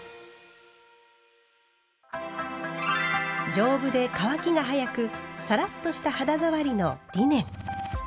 丈夫で乾きが早くサラッとした肌触りのリネン。